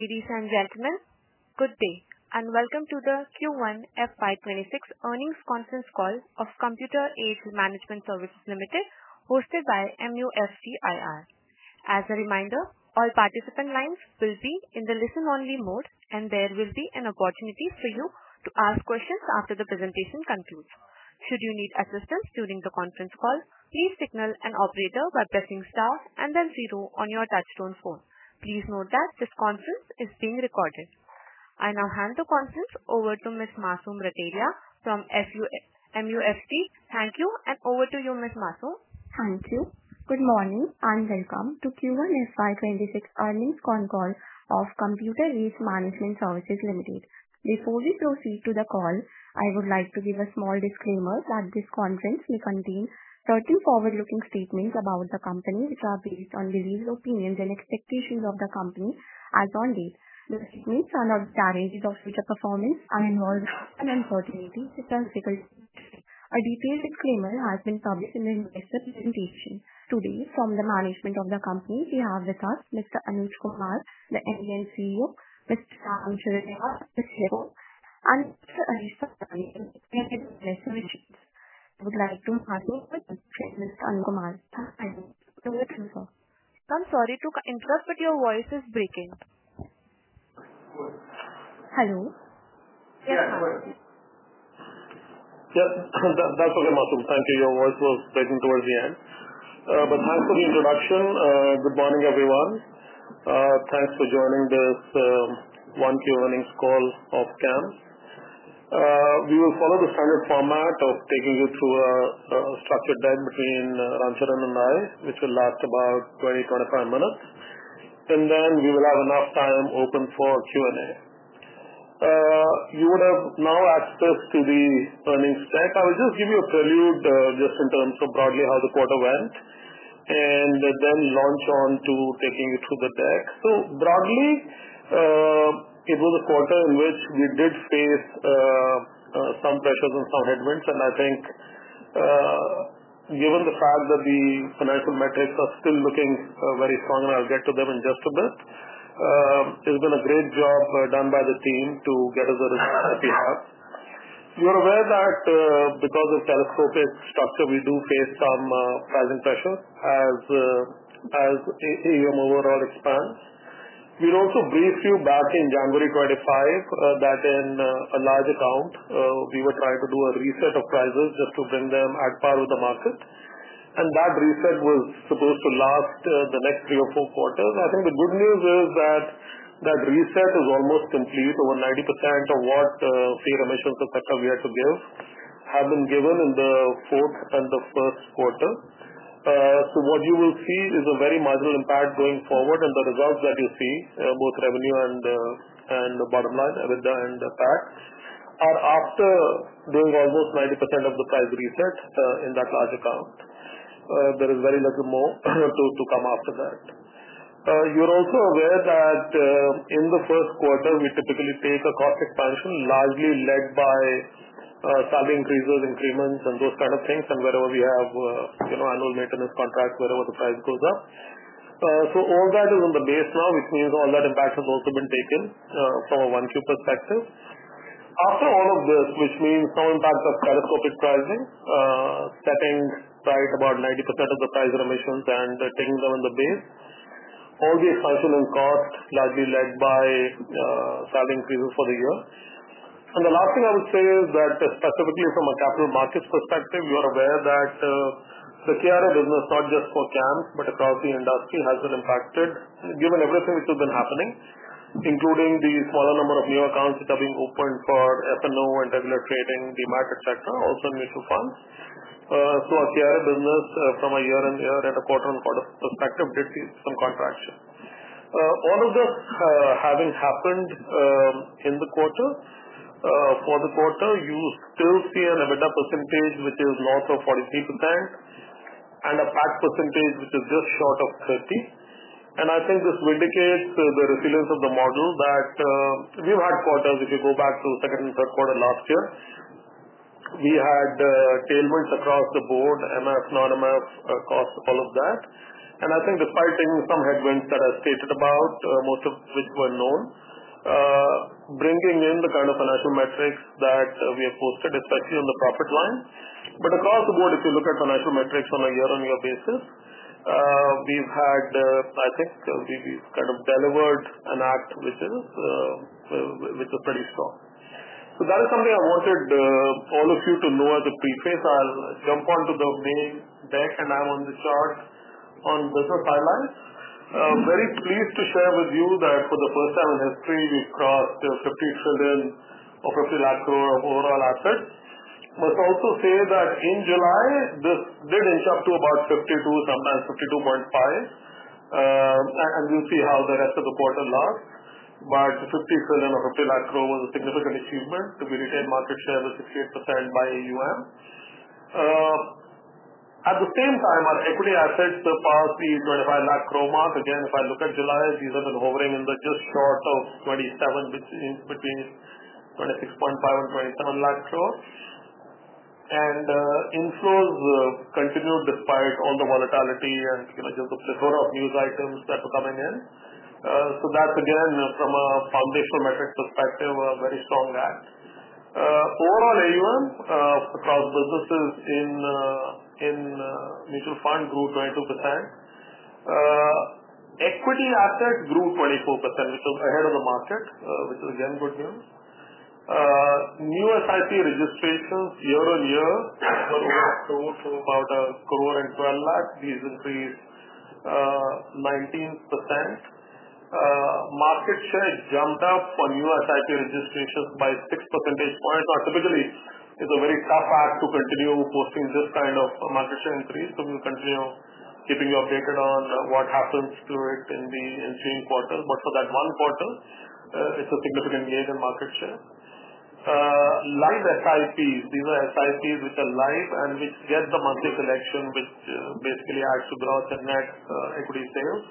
Ladies and gentlemen, good day and welcome to the Q1 FY 2026 earnings conference call of Computer Age Management Services Limited hosted by MUFG IR. As a reminder, all participant lines will be in the listen only mode and there will be an opportunity for you to ask questions after the presentation concludes. Should you need assistance during the conference call, please signal an operator by pressing star and then zero on your touchstone phone. Please note that this conference is being recorded. I now hand the conference over to Ms. Masoom Rateria from MUFG. Thank you. Over to you, Ms. Masoom. Thank you. Good morning and welcome to the Q1 FY 2026 earnings con call of Computer Age Management Services Limited. Before we proceed to the call, I would like to give a small disclaimer that this conference may contain certain forward looking statements about the company which are based on beliefs, opinions and expectations of the company as on date. The statements are not guarantees of future performance and involve an uncertainty. A detailed disclaimer has been published in the investor presentation today from the management of the company. We have with us Mr. Anuj Kumar, the MD and CEO, and Mr. Ram Charan. I'm sorry to interrupt, but your voice is breaking. Hello. Yeah, that's okay, Masoom. Thank you. Your voice was breaking towards the end, but thanks for the introduction. Good morning everyone. Thanks for joining this 1Q earnings call of CAMS. We will follow the standard format of taking you through a structured deck between Ram Charan and I, which will last about 20-25 minutes, and then we will have enough time open for Q&A. You would have now access to the earnings deck. I will just give you a prelude just in terms of broadly how the quarter went and then launch on to taking it to the deck. Broadly, it was a quarter in which we did face some pressures and some headwinds. I think given the fact that the financial metrics are still looking very strong and I'll get to them in just a bit, there's been a great job done by the team to get us the results that we have. You're aware that because of telescopic fee structures we do face some pricing pressures as AUM overall expands. We also briefed you back in January 2025 that in a large account we were trying to do a reset of prices just to bring them at par with the market. That reset was supposed to last the next three or four quarters. I think the good news is that that reset is almost complete. Over 90% of fee remissions, etc., we had to give have been given in the fourth and the first quarter. What you will see is a very marginal impact going forward. The results that you see, both revenue and bottom line and PAT, are after doing almost 90% of the price reset in that large account. There is very little more to come after that. You are also aware that in the first quarter we typically take a cost expansion largely led by salary increases, increments, and those kind of things, and wherever we have annual maintenance contracts, wherever the price goes up. All that is on the base now, which means all that impact has also been taken from a 1Q perspective after all of this, which means some impact of telescopic pricing, setting tight about 90% of the price remissions and taking them in the base. All the expansion and cost largely led by, and the last thing I would say is that specifically from a capital markets perspective, you are aware that the KRA business, not just for CAMS but across the industry, has been impacted given everything which has been happening, including the smaller number of new accounts that are being opened for F&O and regular trading, the market sector, also in mutual funds. Our KRA business from a year-on-year and a quarter-on-quarter perspective did these. All of this having happened in the quarter, for the quarter you still see an EBITDA percentage which is north of 43% and a PAT percentage which is just short of 30%. I think this indicates the resilience of the model that we've had quarters. If you go back to second and third quarter last year, we had tailwinds across the board, MF, non-MF cost, all of that. I think despite some headwinds that I stated about, most of which were known, bringing in the kind of financial metrics that we have posted, especially on the profit line. Across the board, if you look at financial metrics on a year-on-year basis, we've had, I think we've kind of delivered an act which is pretty strong. That is something I wanted all of you to know as a preface. I'll share, jump onto the main deck and I'm on the chart on business highlights. Very pleased to share with you that for the first time in history we crossed 50 trillion or 50 lakh crore of overall assets. Must also say that in July this did inch up to about 52 trillion, sometimes 52.5 trillion, and we'll see how the rest of the quarter lasts. 50 trillion or 50 lakh crore was a significant achievement. We retained market share with 68% by AUM. At the same time, our equity assets surpassed the 25 lakh crore mark. Again, if I look at July, these have been hovering in the just short of 27 lakh crore, between 26.5 lakh crore and 27 lakh crore. Inflows continued despite all the volatility and just the plethora of news items that are coming in. That's again from a foundational metrics perspective. Very strong, strong act. Overall AUM across businesses in mutual fund grew 22%. Equity assets grew 24% which was ahead of the market, which is again good news. New SIP registrations year-on-year to about 1 crore and 12 lakh. These increased 19%. Market share jumped up for new SIP registrations by 6 percentage points. Typically it's a very tough act to continue posting this kind of market share increase. We'll continue keeping you updated on what happens to it in the ensuing quarter. For that one quarter, it's a significant gain in market share. Live SIPs, these are SIPs which are live and which get the monthly selection, which basically adds to gross and net equity sales.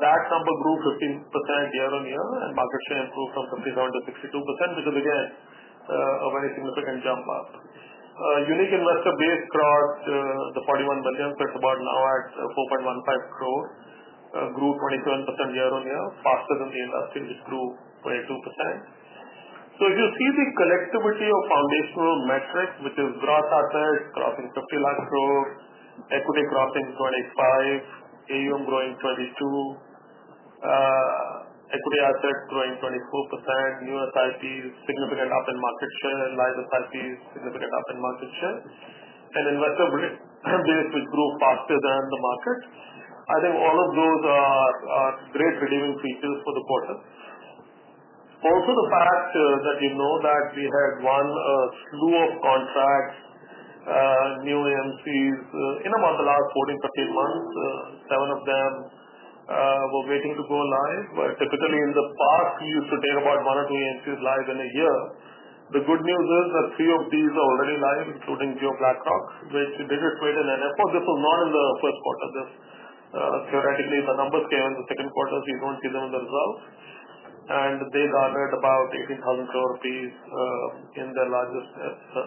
That number grew 15% year-on-year and market share improved from 57% to 62%, which is again a very significant jump up. Unique investor base crossed the 41 million. It's about now at 4.15 crore, grew 27% year-on-year, faster than the industry which grew 22%. If you see the connectivity of foundational metrics, which is gross assets crossing 50 lakh crore, equity crossing 25, AUM growing 22%, equity assets growing 24%. New SIPs significant up in market share, live SIPs significant up in market share, and investor base will grow faster than the market. I think all of those are great redeeming features for the quarter. Also, the fact that we had won a slew of contracts, new AMCs in about the last 14, 15 months, seven of them were waiting to go live. Typically, in the past, we used to take about one or two AMCs live in a year. The good news is that three of these are already live, including Jio BlackRock, which did it fit in NFO. This was not in the first quarter. Theoretically, the numbers came in the three. We don't see them in the results, and they garnered about 18,000 crore rupees in their largest,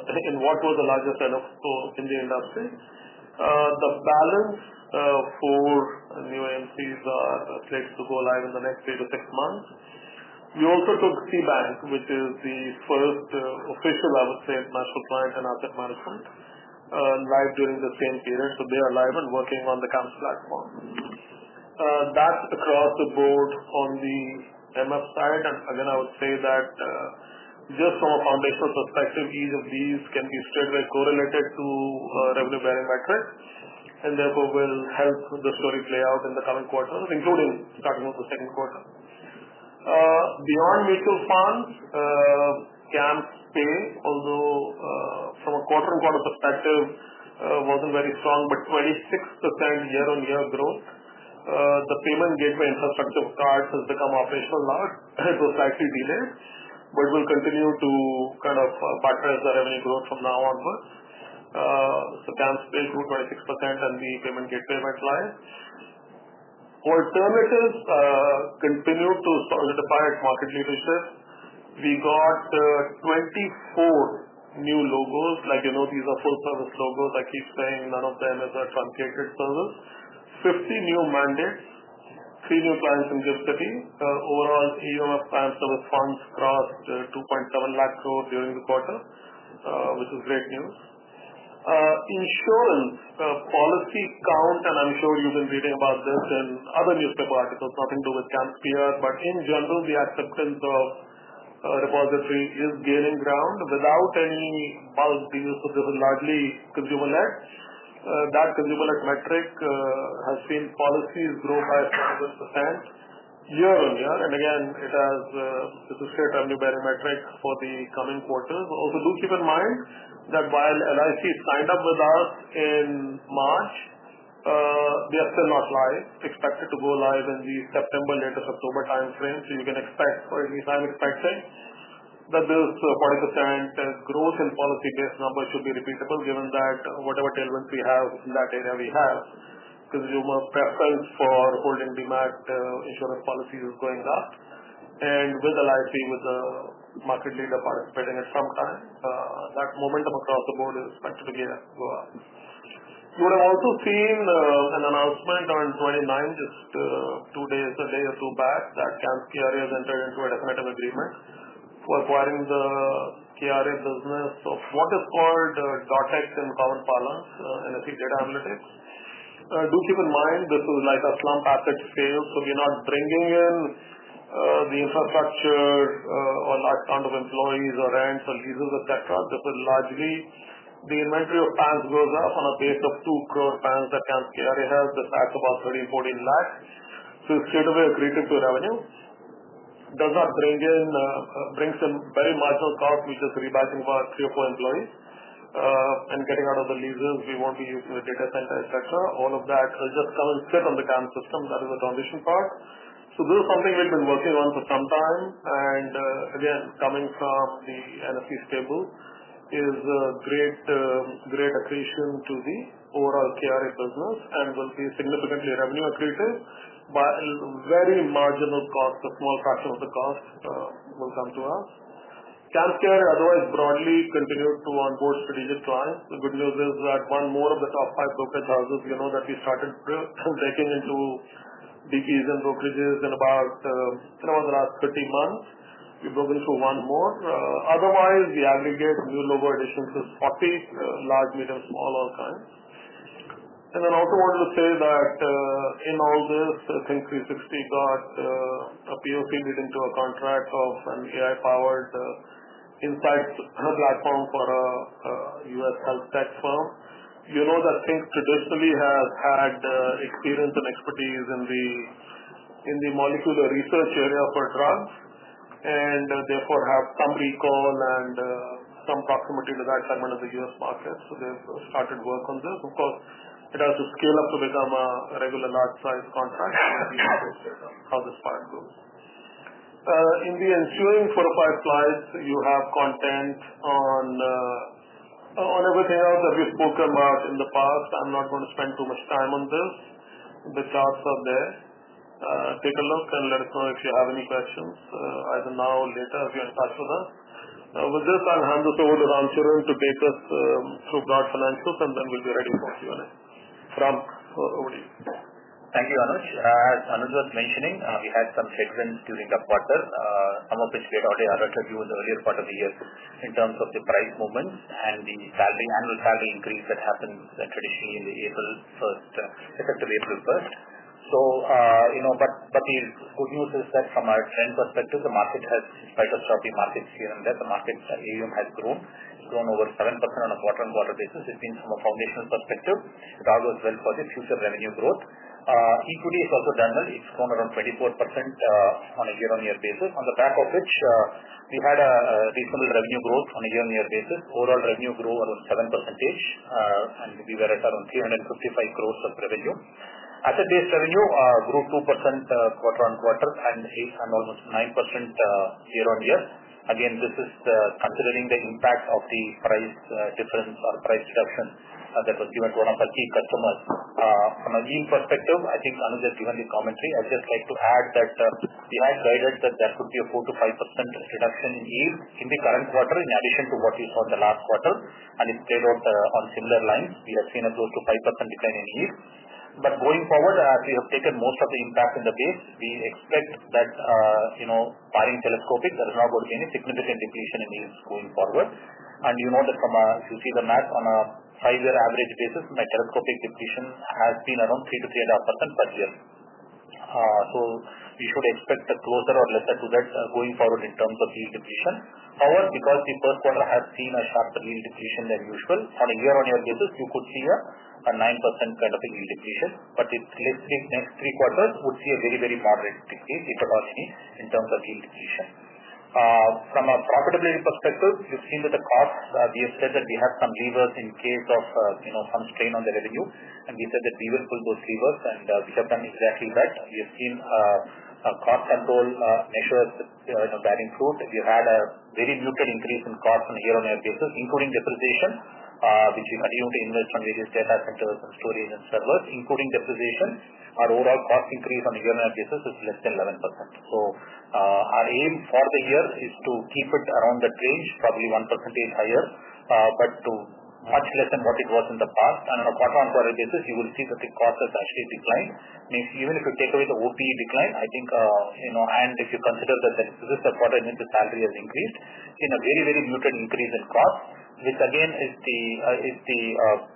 in what was the largest end of score in the industry. The balance four new AMCs are pledged to go live in the next 3-6 months. We also took Ceybank, which is the first official, I would say, international client in asset management live during the same period. They are live and working on the CAMS platform. That's across the board on the MF side. I would say that just from a foundational perspective, each of these can be straight away correlated to revenue bearing metric and therefore will help the story play out in the coming quarters, including starting with the second quarter. Beyond mutual funds, CAMSPay, although from a quarter-on-quarter perspective wasn't very strong, but 26% year-on-year growth, the payment gateway infrastructure part has become operational now. It was slightly delayed, but we'll continue to kind of partner as the revenue growth from now onwards. CAMSPay grew 26%, and the payment gateway line alternative continued to solidify its market leadership. We got 24 new logos, like you know, these are full service logos. I keep saying none of them is a truncated service. 50 new mandates, three new clients in GIFT City. Overall, AUM of CAM service funds crossed 2.7 lakh crore during the quarter, which is great news. Insurance policy count, and I'm sure you've been reading about this in other newspaper articles, nothing to do with CAMS, but in general, the acceptance of repository is gaining ground without any bulk. This is largely consumer-led. That consumer-led metric has seen policies grow by 7% year-on-year, and again it has metric for the coming quarters. Also, do keep in mind that while LIC signed up with us in March, we are still not live, expected to go live in the September, latest October time frame. You can expect, or at least I'm expecting, that this 40% growth in policy-based numbers should be repeatable given that whatever tailwinds we have in that area, we have consumer preference for holding the insurance policy is going up, and with LIC, with the market leader participating at some time, that momentum across the board is expected to get. You would have also seen an announcement on 29th, just a day or two back, that CAMSKRA has entered into a definitive agreement for acquiring the KRA business of what is called DotEx in common parlance NSE Data and Analytics. Do keep in mind this is like a slump asset sale. We are not bringing in the infrastructure or that kind of employees or rents or leases, etc. This is largely the inventory of CAMS, goes up on a base of 2 crore TAM that can help with, that's about 13 lakh-14 lakh. It is straight away accretive to revenue, does not bring some very marginal cost, which is rebuying about three or four employees and getting out of the leases. We won't be using the data center, etc. All of that just come and sit on the TAM system, that is a transition part. This is something we've been working on for some time, and again, coming from the NSE stable is great accretion to the overall KRA business and will be significantly revenue accretive but very marginal cost. A small fraction of the cost will come to us, CAMSKRA otherwise broadly continued to onboard strategic clients. The good news is that one more of the top five broking houses, we know that we started breaking into BPs and brokerages in about the last 30 months. We've broken through one more, otherwise the aggregate new logo additions is 40, large, medium, small, all kinds. Also wanted to say that in all this, Think360 got a POC lead into a contract of an AI-powered insights and a platform for, you know, that Think traditionally has had experience and expertise in the molecular research area for drugs and therefore have some recall and some proximity to that segment of the U.S. market. They've started work on this. Of course, it has to scale up to become a regular large size contract. How this plan goes in the ensuing four or five slides, you have content on everything else that we've spoken about in the past. I'm not going to spend too much time on this. The charts are there. Take a look and let us know if you have any questions either now or later. If you're in touch with us with this, I'll hand this over to Ram Charan to take us through broad financials and then we'll be ready for Q&A. Ram, over to you. Thank you Anuj. As Anuj was mentioning, we had some tricks in during the quarter, some of which later alerted you in the earlier part of the year in terms of the price movements and the annual salary increase that happens traditionally on April 1st, effective April 1st. The good news is that from our trend perspective, the market has, in spite of choppy markets here and there, the market AUM has grown. It's grown over 7% on a quarter-on-quarter basis. It means from a foundational perspective it all goes well for the future revenue growth. Equity has also done well. It's grown around 24% on a year-on-year basis, on the back of which we had a reasonable revenue growth on a year-on-year basis. Overall revenue grew around 7% and we were at around 355 crore of revenue. Asset-based revenue grew 2% quarter-on-quarter and almost 9% year-on-year. Again, this is considering the impact of the price difference or price reduction that was given to one of our key customers. From a yield perspective, I think Anuj has given the commentary. I'd just like to add that we have guided that there could be a 4%-5% reduction in yield in the current quarter in addition to what we saw in the last quarter. It played out on similar lines. We have seen a close to 5% decline in yield. Going forward, as we have taken most of the impact in the base, we expect that barring telescopic, there is not going to be any significant depletion in yield going forward. If you see the math, on a five-year average basis, my telescopic depletion has been around 3%-3.5% per year. You should expect closer or lesser to that going forward in terms of yield depletion. However, because the first quarter has seen a sharper yield depletion than usual, on a year-on-year basis you could see a 9% kind of a yield depletion. The next three quarters would see a very, very moderate decrease, if at all any. In terms of yield creation from a profitability perspective, you've seen that the costs, we have said that we have some levers in case of some strain on the revenue and we said that we will pull those levers and we have done exactly that. We have seen cost control measures bearing fruit. We have had a very muted increase in costs on a year-on-year basis, including depreciation, which we continue to invest on various data centers and storage and servers. Including depreciation, our overall cost increase on a year-on-year basis is less than 11%. Our aim for the year is to keep it around that range, probably 1% higher, but much less than what it was in the past. On a quarter-on-quarter basis, you will see that the cost has actually declined even if you take away the OpEx decline. If you consider that this is the quarter in which the salary has increased, it is a very, very muted increase in cost, which again is the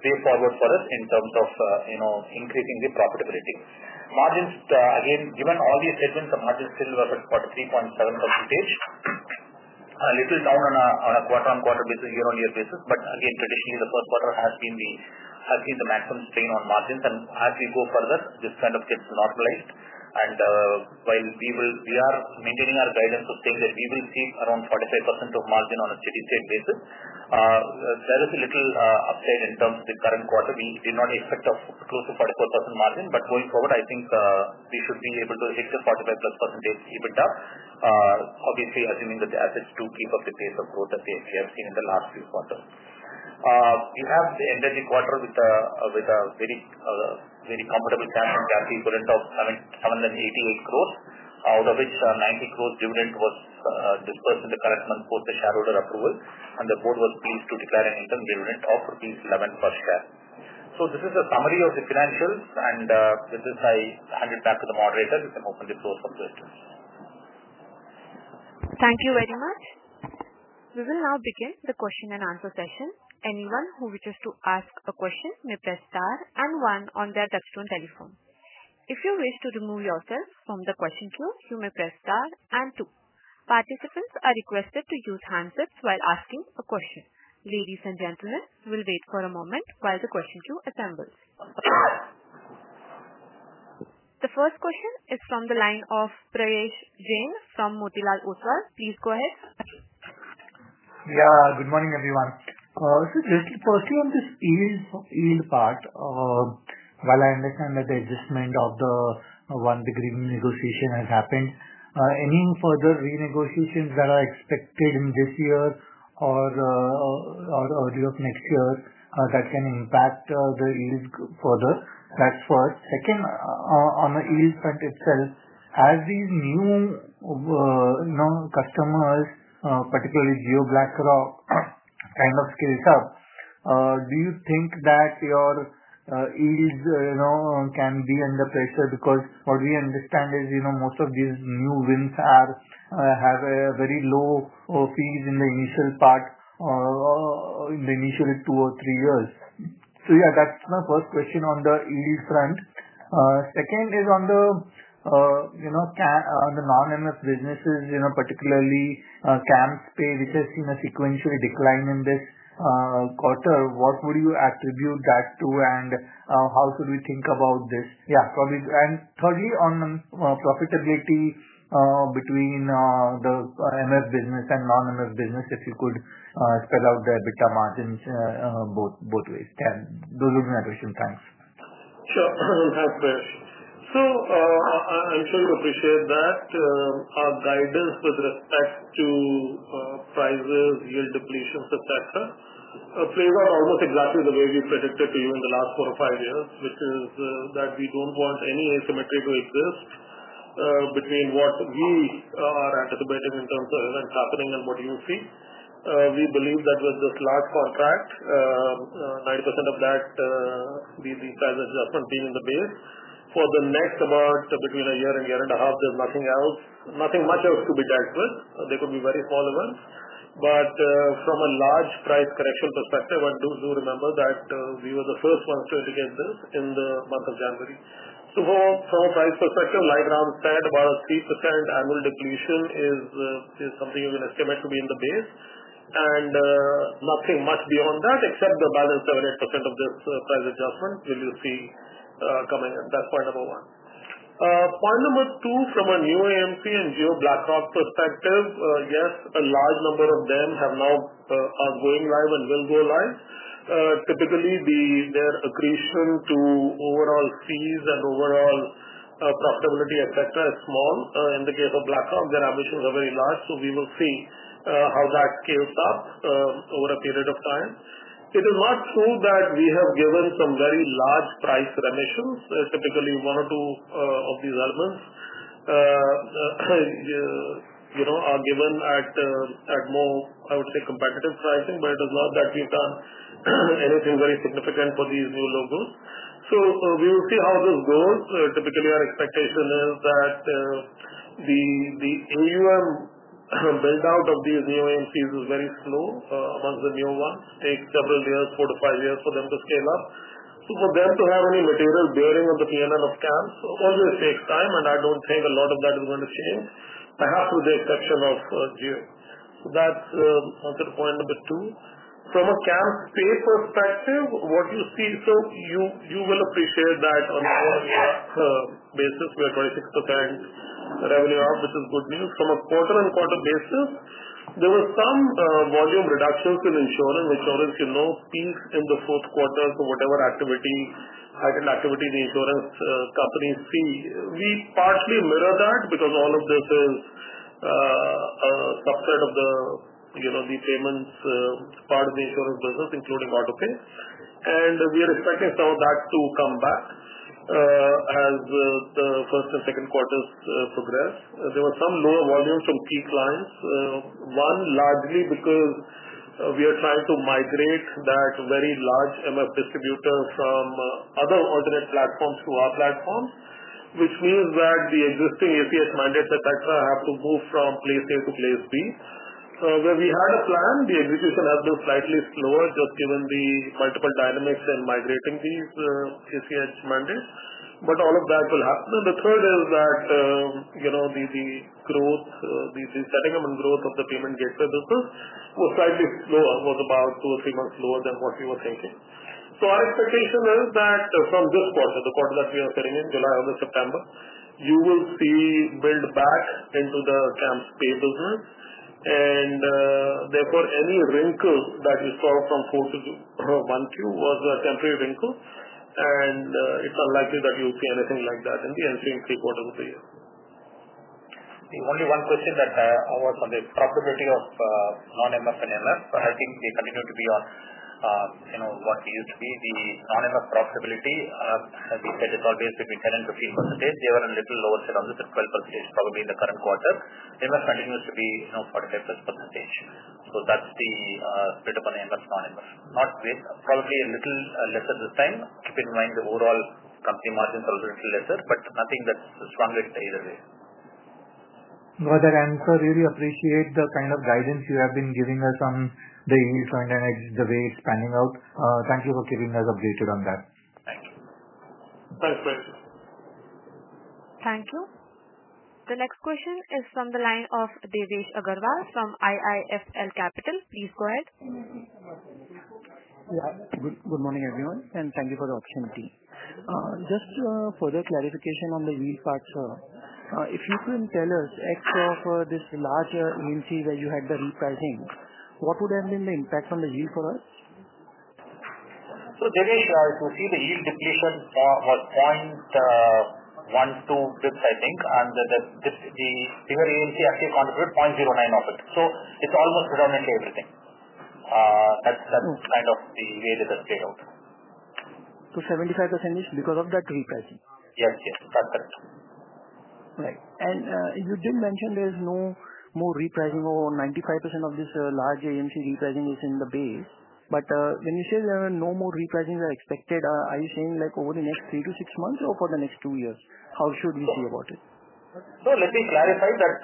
way forward for us in terms of increasing the profitability margins. Given all these headwinds, the margin still was at 43.7%, a little down on a quarter-on-quarter basis and year-on-year basis. Traditionally, the first quarter has been the maximum strain on margins. As we go further, this kind of gets normalized. While we are maintaining our guidance of things that we will see around 45% of margin on a steady state basis, there is a little upside in terms of the current quarter. We did not expect close to 44% margin, but going forward I think we should be able to hit the 45%+ EBITDA. Obviously, assuming that the assets do keep up the pace of growth that we have seen in the last few quarters. We have ended the quarter with a very comfortable cash and cash equivalent of 788 crore, out of which 90 crore dividend was disbursed in the collection post the shareholder approval, and the board was pleased to declare an interim dividend of INR 11 per share. This is a summary of the financials and with this I hand it back to the moderator, we can open the floor for questions. Thank you very much. We will now begin the question and answer session. Anyone who wishes to ask a question may press star and one on their touchstone telephone. If you wish to remove yourself from the question queue, you may press star and two. Participants are requested to use hand zips while asking a question. Ladies and gentlemen, we will wait for a moment while the question queue assembles. The first question is from the line of Prayesh Jain from Motilal Oswal. Please go ahead. Yeah, good morning everyone. Firstly, on this yield part, while I understand that the adjustment of the 1 degree renegotiation has happened, any further renegotiations that are expected in this year or early of next year that can impact the yield further? That's first. Second, on the yield front itself, as these new customers, particularly Jio BlackRock, kind of scales up, do you think that your yields can be under pressure? Because what we understand is most of these new wins have very low fees in the initial part, in the initial two or three years. That's my first question on the yield front. Second is on the non-MF businesses, particularly CAMSPay, which has seen a sequential decline in this quarter. What would you attribute that to and how should we think about this? Thirdly, on profitability between the MF business and non-MF business, if you could spell out the EBITDA margins both ways, those are my questions. Thanks. Sure, thanks. I'm sure you appreciate that our guidance with respect to prices, yield depletions, etc., plays out almost exactly the way we predicted to you in the last four or five years, which is that we don't want any asymmetry to exist between what we are anticipating in terms of events happening and what you see. We believe that with this large contract, 90% of that being in the base for the next about between a year and a year and a half, there's nothing much else to be dealt with. There could be very small events. From a large price correction perspective, do remember that we were the first ones to indicate this in the month of January. From a price perspective, like Ram said, about a 3% annual depletion is something you can estimate to be in the base and nothing much beyond that except the balance 7-8% of this price adjustment will you see coming in. That's point number one. Point number two, from a new AMC and Jio BlackRock perspective, a large number of them have now gone live and will go live. Typically, their accretion to overall fees and overall profitability, etc., is small. In the case of BlackRock, their ambitions are very large. We will see how that scales up over a period of time. It is not true that we have given some very large price remissions. Typically, one or two of these elements are given at more, I would say, competitive pricing, but it is not that we have done anything very significant for these new logos. We will see how this goes. Typically, our expectation is that the AUM build out of these new AMCs is very slow. Amongst the new ones, it takes several years, 4-5 years, for them to scale up. For them to have any material bearing on the P&L of CAMS always takes time. I don't think a lot of that is going to change, perhaps with the exception of Jio. That's the answer to point number two from a CAMSPay perspective, what you see. You will appreciate that we are 26% revenue up, which is good news from a quarter-on-quarter basis. There were some volume reductions in insurance. Insurance peaks in the fourth quarter, so whatever heightened activity the insurance companies see, we partly mirror that because all of this is a subset of the payments part of the insurance business, including autopay. We are expecting some of that to come back as the first and second quarters progress. There were some lower volumes from key clients. One, largely because we are trying to migrate that very large MF distributor from other alternate platforms to our platform, which means that the existing ACH mandates, et cetera, have to move from place A to place B. We had a plan, the execution of this plan, just given the multiple dynamics in migrating these ACH mandates. All of that will happen. The third is that the growth, the setting up and growth of the payment gateway business was slightly slower, was about two or three months lower than what we were thinking. Our expectation is that from this quarter, the quarter that we are sitting in, July or the September, you will see build back into the CAMS and therefore any wrinkle that you saw from 4Q to 1Q was a temporary wrinkle and it's unlikely that you'll see anything like that in the ensuing quarter of the year. The only one question that I was on the probability of non-MF and MF, I think they continue to be on what they used to be. The non-MF probability, as we said, it's always between 10% and 15%. They were on the little lower side on this at 12% probably in the current quarter. MF continues to be 45%+. That's the split up on the MF, non-inverse not great, probably a little lesser this time. Keep in mind the overall company margins are a little lesser, but nothing that's stronger either way. Got that answer. Really appreciate the kind of guidance you have been giving us on the yield and the way it's panning out. Thank you for keeping us updated on that. Thank you. Thanks, Jain. Thank you. The next question is from the line of Devesh Agarwal from IIFL Capital. Please go ahead. Good morning everyone and thank you for the opportunity. Just further clarification on the yield part, sir, if you can tell us X of this larger AMC where you had the repricing, what would have been the impact on the yield for us? If you see the yield depletion was 0.12 bps, I think, and that actually contributed 0.09% of it. It's almost predominantly everything; that's kind of the way this has played out. 75% is because of that repricing? Yes, yes, that's correct. Right. You did mention there is no more repricing or 95% of this large AMC repricing is in the base. When you say no more repricings are expected, are you saying like over the next 3-6 months or for the next two years, how should we see about it? Let me clarify that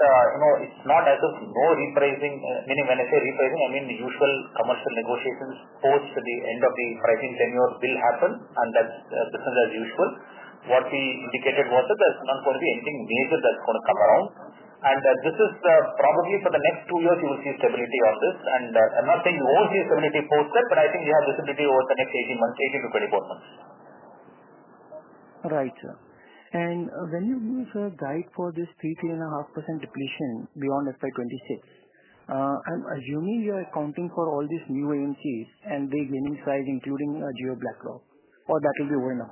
it's not as if no repricing, meaning when I say repricing I mean the usual commercial negotiations post the end of the pricing tenure will happen and that's business as usual. What we indicated was that there's not going to be anything major that's going to come around and this is probably for the next two years you will see stability of this and another posted. I think you have visibility over the next 18 months, 18-24 months,. Right sir. When you give sir guide for this 3.5% depletion beyond FY 2026, I'm assuming you are accounting for all these new AMCs and they gaining size, including Jio BlackRock, or that will be over and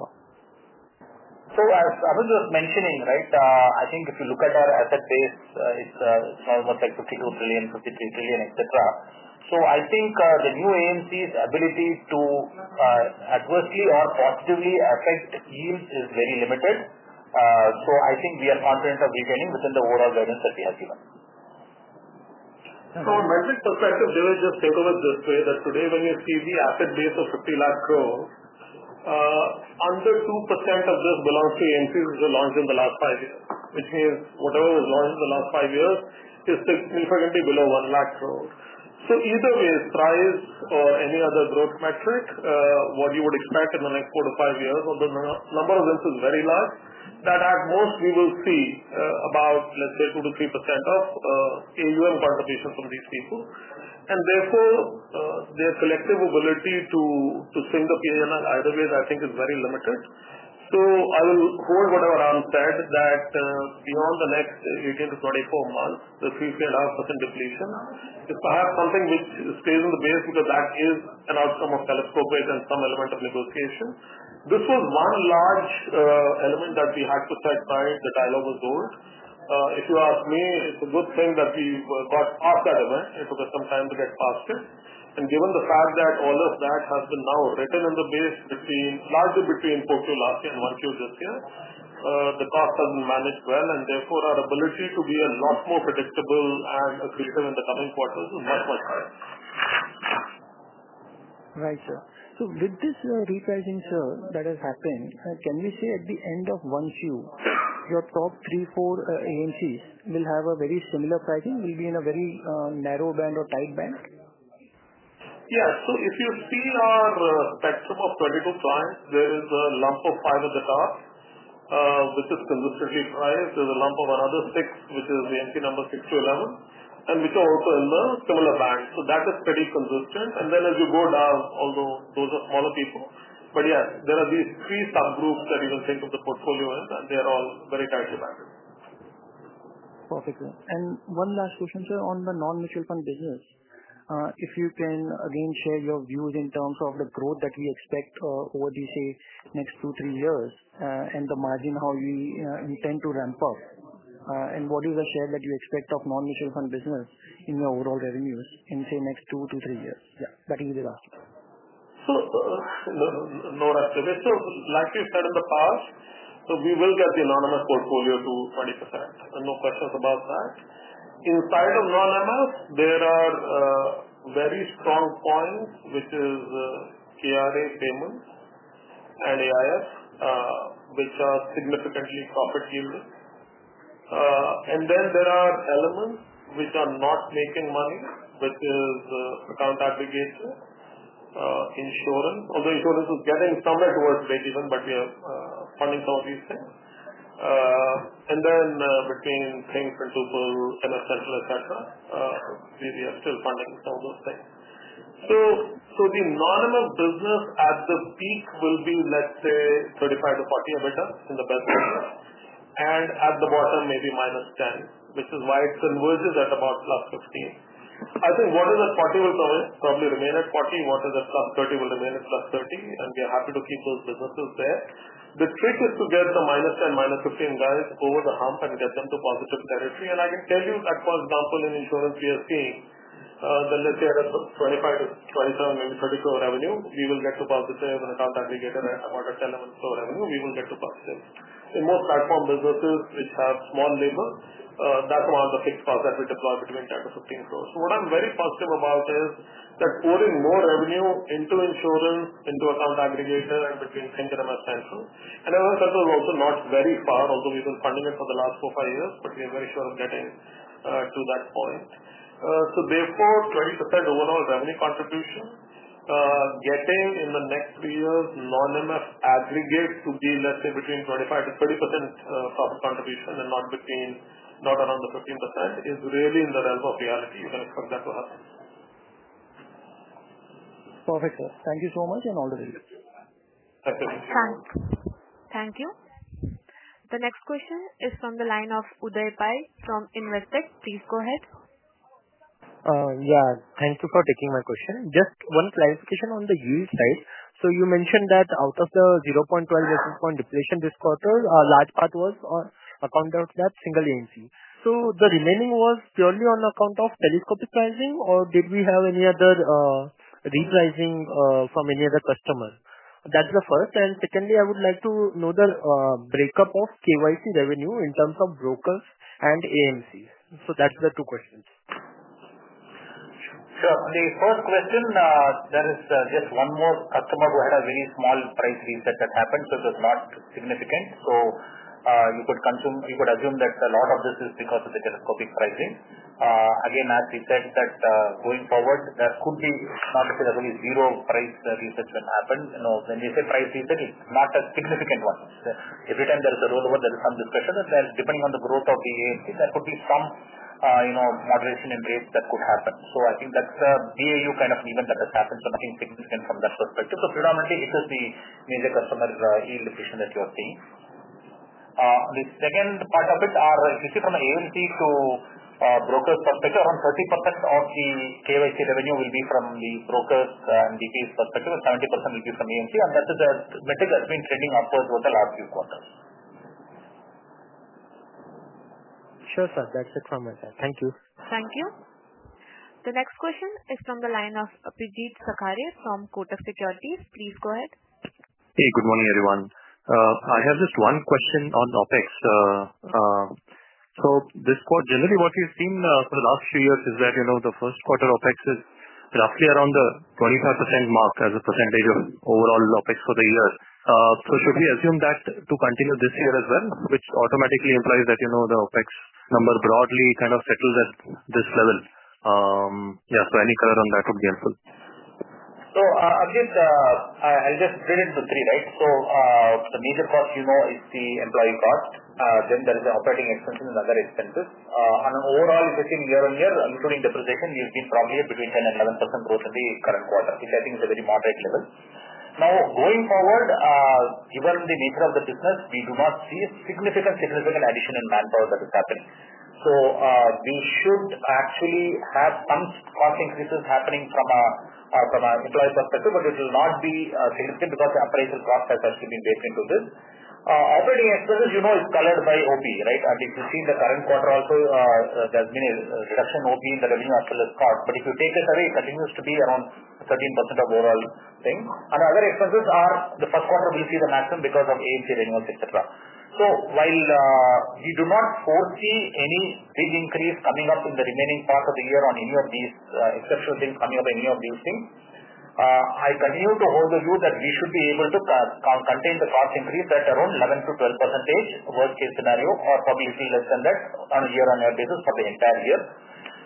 above? As Anuj was mentioning, right, I think if you look at our asset base like 52 trillion, 53 trillion, etc., the new AMC's ability to adversely or positively affect yields is very limited. I think we are confident of retaining within the overall guidance that we have given. From a metric perspective division, just think of it this way that today when you see the asset base of 50 lakh crore, under 2% of this belongs to AMCs launched in the last five years, which means whatever was launched in the last five years is significantly below 1 lakh crore. Either way, price or any other growth metric, what you would expect in the next 4-5 years, although the number of them is very large, at most we will see about let's say 2%-3% of AUM contribution from these people, and therefore their collective ability to swing the panel either way I think is very limited. I will hold whatever Ram said that beyond the next 18-24 months, the 3.5% depletion is perhaps something which stays in the base because that is an outcome of telescopic and some element of negotiation. This was one large element that we had to set by, the dialogue was old. If you ask me, it's a good thing that we got off that event. It took us some time to get past it, and given the fact that all of that has been now written in the base, largely between 4Q last year and 1Q this year, the cost doesn't manage well and therefore our ability to be a lot more predictable and accretive in the coming quarters is much, much higher. Right, sir. With this repricing, sir, that has happened, can we say at the end of Q1 your top three or four AMCs will have very similar pricing, will be in a very narrow band or tight band? Yeah, if you see our spectrum of 22 clients, there is a lump of five at the top which is consistently priced. There's a lump of another six, which is the number six to eleven, and which are also in the similar band. That is pretty consistent. As you go down, although those are smaller people, there are these three subgroups that you can think of the portfolio as, and they are all very tightly banded. Perfect sir. One last question sir on the non-mutual fund business. If you can again share your views in terms of the growth that we expect over the next two, three years and the margin, how you intend to ramp up, and what is the share that you expect of non-mutual fund business in your overall revenues in, say, next 2-3 years? That will be the last one. No, Devesh. Like we said in the past, we will get the anonymous portfolio to 20%. No questions about that. Inside of non-MF, there are very strong points, which are KRA payments, and AIF, which are significantly profit yielding, and then there are elements which are not making money, which are account aggregator and insurance. Although insurance is getting somewhere towards breakeven, we are funding some of these things, and then between Think, MF Central, etc., we are still funding some of those things. The non-MF business at the peak will be, let's say, 35%-40% EBITDA in the best business, and at the bottom maybe minus -10%, which is why it converges at about +15%. What is at 40% will probably remain at 40%. What is at +30% will remain at +30%, and we are happy to keep those businesses there. The trick is to get the -10%, -15% guys over the hump and get them to positive territory. For example, in insurance, we are seeing that, let's say, at 25 crore-27 crore, maybe 30 crore revenue, we will get to positive, and account aggregator, we get about a 1 crore revenue, we will get to positive. In most platform businesses, which have small, that's one of the fixed costs that we deploy, between 10 crore-15 crore. What I'm very positive about is that pouring more revenue into insurance, into account aggregator, and between Think, MF Central, and as I said, is also not very far, although we've been funding it for the last four or five years, but we are very sure of getting to that point. Therefore, 20% overall revenue contribution getting in the next three years, non-MF aggregate, give to be, let's say, between 25%-30% profit contribution and not around the 15% is really in the realm of reality. You can expect that to happen. Perfect, sir. Thank you so much and all the. Thank you. The next question is from the line of Uday Pai from Investec. Please go ahead. Thank you for taking my question. Just one clarification on the yield side. You mentioned that out of the 0.12 basis point depletion this quarter, large part was account of that single AMC. Was the remaining purely on account of telescopic pricing or did we have any other repricing from any other customer? That's the first. Secondly, I would like to know the breakup of KRA revenue in terms of brokers and AMCs. That's the two questions. Sure. The first question, there is just one more customer who had a very small price reset that happened. It was not significant. You could assume that a lot of this is because of the telescopic pricing. Again, as we said, going forward that could be not only zero price research happened. When we say price research, it's not a significant one. Every time there is a rollover, there is some discussion that depending on the growth of the there could be some moderation in rates that could happen. I think that's a BAU kind of an event that has happened, nothing significant from that perspective. Predominantly, it is the major customer yield location that you are seeing. The second part of it, if you see from the AMC to brokers perspective, around 30% of the KRA revenue will be from the broker and DPs perspective and 70% will be from AMC. That is a metric that's been trending upwards over the last few quarters. Sure sir. That's it from my side. Thank you. Thank you. The next question is from the line of Abhijeet Sakhare from Kotak Securities. Please go ahead. Hey, good morning everyone. I have just one question on OpEx. Generally, what we've seen for the last few years is that the first quarter OpEx is roughly around the 25% mark as a percentage of overall OpEx for the year. Should we assume that to continue this year as well, which automatically implies that the OpEx number broadly kind of settled at this level? Any color on that would be helpful. I'll just split it into three. The major cost is the employee cost. Then there is operating expenses and other expenses. Overall, if you see year-on-year, including depreciation, you'll be probably between 10% and 11% growth in the current quarter, which I think is a very moderate level. Going forward, given the nature of the business, we do not see a significant addition in manpower that is happening. We should actually have some cost increases happening from an employee perspective, but it will not be significant because the appraisal cost has actually been baked into this. Operating expenses is colored by OpEx. If you see the current quarter, also there has been a reduction in the revenue as well as cost. If you take this away, it continues to be around 13% of overall thing, and other expenses in the first quarter will see the maximum because of AMC renewals, etc. We do not foresee any big increase coming up in the remaining part of the year or any of these exceptional things coming up. I continue to hold the view that we should be able to contain the cost increase at around 11%-12% worst case scenario or probably a little less than that on a year-on-year basis for the entire year.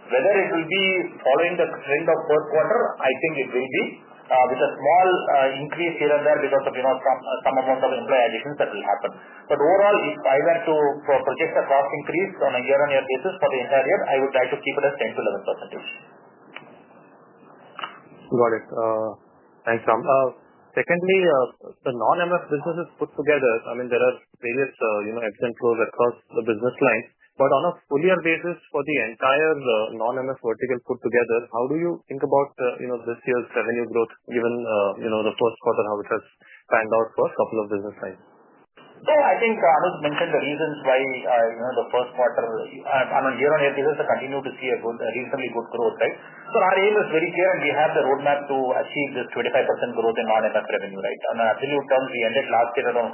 Whether it will be following the trend of the fourth quarter, I think it will be with a small increase here and there because of some amount of employee additions that will happen. Overall, if I were to project a cost increase on a year-on-year basis for the entire year, I would try to keep it at 10%-11%. Got it and thanks, Ram. Secondly, the non-MF businesses put together, I mean there are various ebbs and flows across the business line, but on a full-year basis for the entire non-MF vertical put together, how do you think about this year's revenue growth given the first quarter, how it has panned out for a couple of business lines. I think Anuj mentioned the reasons why the first quarter year-on-year, this is the continue to see a good rebound. Our aim is very clear and we have the roadmap to achieve this 25% growth in non-MF revenue on absolute terms. We ended last year around 190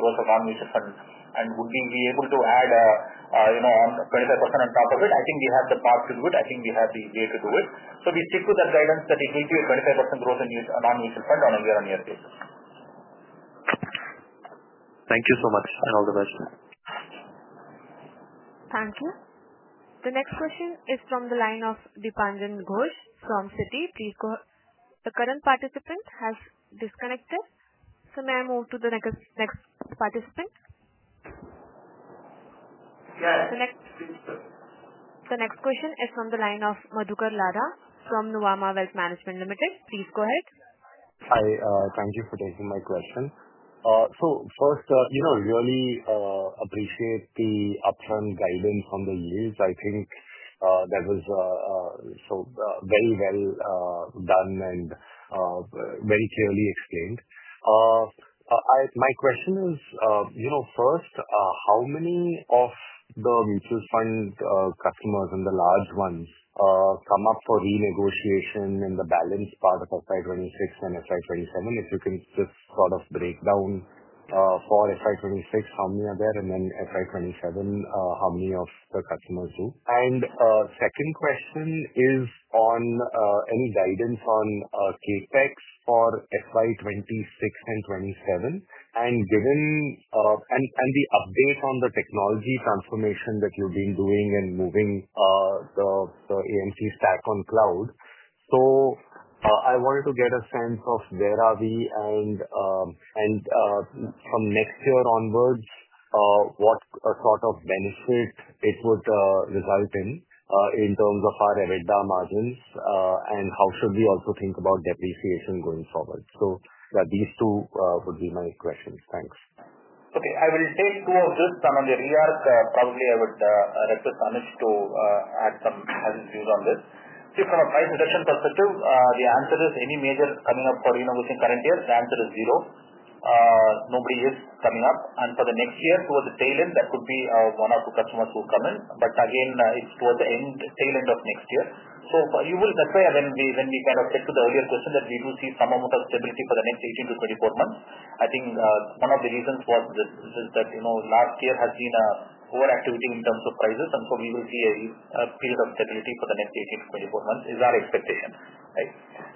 crore of non-mutual funds and would we be able to add 25% on top of it? I think we have the path to do it. I think we have the way to do it. We stick to that guidance that will give you a 25% growth in non-mutual fund on a year-on-year basis. Thank you so much, and all the best. Thank you. The next question is from the line of Dipanjan Ghosh from Citi. The current participant has disconnected. May I move to the next participant? The next question is from the line of Madhukar Ladha from Nuvama Wealth Management Limited. Please go ahead. Hi. Thank you for taking my question. First, you know, really appreciate the upfront guidance on the yields. I think that was so very well done and very clearly explained. My question is, you know, first, how many of the mutual fund customers and the large ones come up for renegotiation in the balance part of FY 2026 and FY 2027? If you can just sort of break down for FY 2026 how many are there and then FY 2027 how many of the customers do, and second question is on any guidance on CapEx for FY 2026 and FY 2027 and the update on the technology transformation that you've been doing and moving the AMC stack on cloud. I wanted to get a sense of where are we and from next year onwards what sort of benefit it would result in in terms of our EBITDA margins and how should we also think about depreciation going forward. These two would be my questions. Thanks. Okay, I will take two of this. And on the rear, probably I would request Anuj to add some. From a price reduction perspective, the answer is any major coming up for repricing current year, the answer is zero. Nobody is coming up, and for the next year towards the tail end, there could be one or two customers who come in, but again it's towards the tail end of next year. That's why when we kind of get to the earlier question, we do see some amount of stability for the next 18-24 months. I think one of the reasons was this, that last year has been over activity in terms of prices, and we will see a period of stability for the next 18-24 months is our expectation.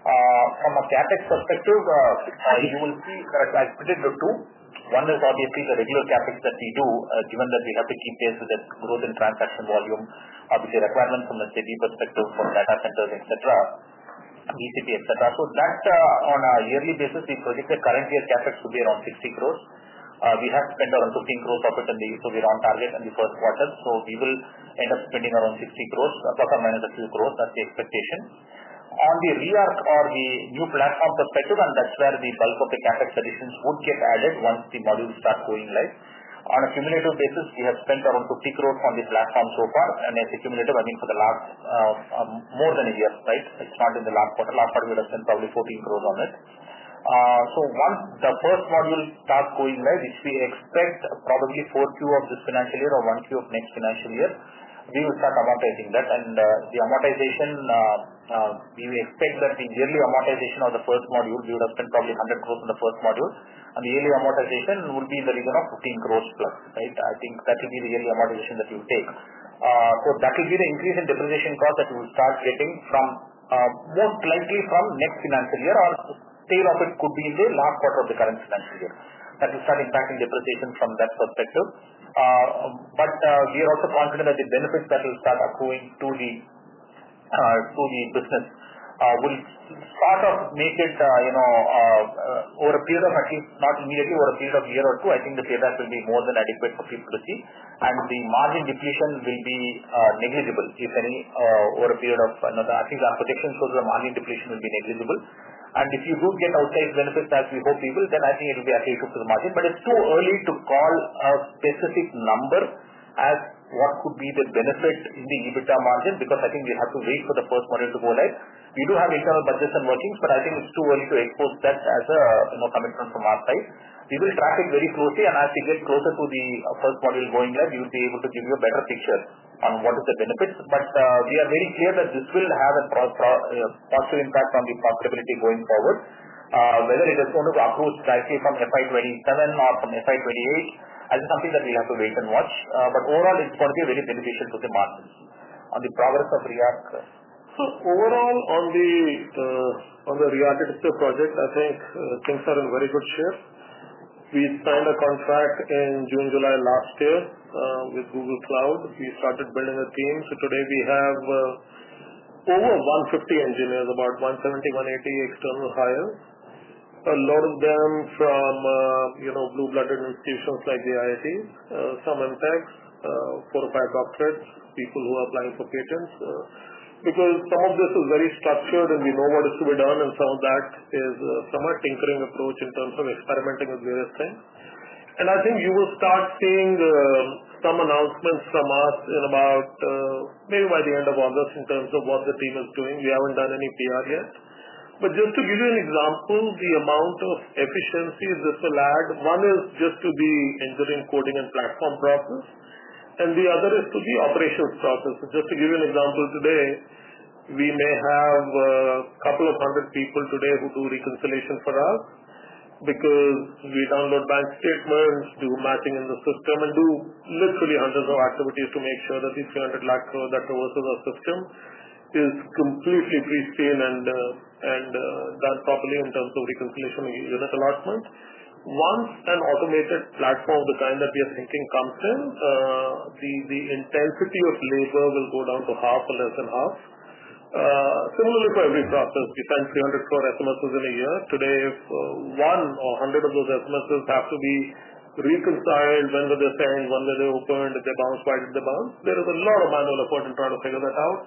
From a CapEx perspective, you will see that I split into two. One is obviously the regular CapEx that we do, given that we have to keep pace with the growth in transaction volume, obviously requirements from a SEBI perspective for data centers, etc., BCP, etc. On a yearly basis, we project the current year CapEx to be around 60 crore. We have spent around 15 crore of it, so we are on target in the first quarter. We will end up spending around 60 crore, plus or minus a few crore. That's the expectation. On the rear or the new platform perspective, that's where the bulk of the CapEx additions would get added once the modules start going live. On a cumulative basis, we have spent around 50 crore on the platform so far. When I say cumulative, I mean for the last more than a year, right? It's not in the last, would have spent probably 14 crore on it. Once the first module starts going live, which we expect probably 4Q of this financial year or 1Q of next financial year, we will start amortizing that. The amortization, we expect that the yearly amortization of the first module, we would have spent probably 100 crore in the first module, and the yearly amortization would be in the region of 15+ crore. I think that will be the yearly amortization that you take. That will be the increase in depreciation cost that we will start getting from most likely from next financial year, or it could be in the last quarter of the current financial year that will start impacting depreciation from that perspective. We are also confident that the benefits that will start accruing to the business will make it, over a period of at least not immediately, over a period of a year or two, I think the payback will be more than adequate for fibrosity and the margin depletion will be negligible, if any. Over a period of, I think our projection shows the margin depletion will be negligible and if you do get outsized benefits as we hope we will, then I think it will be attributed to the margin. It's too early to call a specific number as what could be the benefit in the EBITDA margin because I think we have to wait for the first money to go live. We do have internal budgets and workings, but I think it's too early to expose that as a commitment from our side. We will track it very closely and as we get closer to the first module going there, we will be able to give you a better picture on what is the benefits. We are very clear that this will have a positive impact on the profitability going forward. Whether it is going to approach directly from FY 2027 or from FY 2028 is something that we have to wait and watch. Overall, it is going to be a very beneficial looking market. Progress of rearchitecture. So overall on the digital project, I think things are in very good shape. We signed a contract in June, July last year with Google Cloud. We started building a team. Today we have over 150 engineers, about 170, 180 external hires, a lot of them from blue-blooded institutions like the IIT, some MTechs, four or five doctorates, people who are applying for patents. Some of this is very structured and we know what is to be done, and some of that is somewhat a tinkering approach in terms of experimenting with various things. I think you will start seeing some announcements from us maybe by the end of August in terms of what the team is doing. We haven't done any PR yet, but just to give you an example, the amount of effort efficiencies this will add, one is just to the engineering, coding, and platform process, and the other is to the operations process. Just to give you an example, today we may have a couple of hundred people who do reconciliation for us because we download bank statements, do matching in the system, and do literally hundreds of activities to make sure that these 300 lakh that reverses our system is completely freestyle and done properly in terms of reconciliation unit allotment. Once an automated platform of the kind that we are thinking comes in, the intensity of labor will go down to half or less than half. Similarly, for every process, we spend 300 crore SMSs in a year. Today, if one or 100 of those SMSs have to be reconciled, when were they sent, when were they opened, if they bounced, why did they bounce? There is a lot of manual effort in terms to figure that out.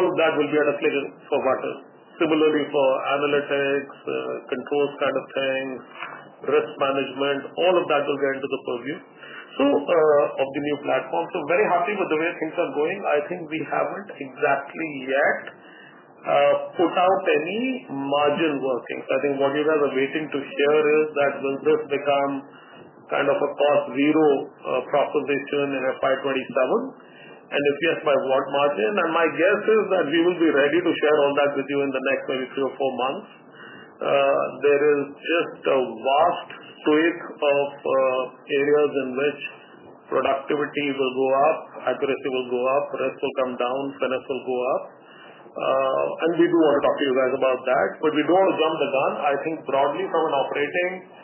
All of that will be at a click of a button. Similarly, for analytics, controls kind of things, risk management, all of that will get into the purview of the new platform. Very happy with the way things are going. I think we haven't exactly yet put out any margin working. I think what you guys are waiting to hear is will this become kind of a past zero proposition in FY 2027 and if yes, by what margin? My guess is that we will be ready to share all that with you in the next maybe three or four months. There is just a vast sweep of areas in which productivity will go up, accuracy will go up, risk will come down, finesse will go up, and we do want to talk to you guys about that, but we don't want to jump the gun. Broadly from an operating perspective,